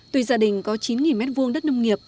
tuy gia đình có chín m hai đất nông